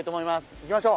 行きましょう！